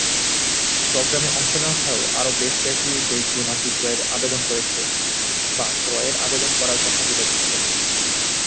প্রোগ্রামে অংশ নেয়া ছাড়াও আরো বেশ কয়েকটি দেশ বিমানটি ক্রয়ের আবেদন করেছে, বা ক্রয়ের আবেদন করার কথা বিবেচনা করছে।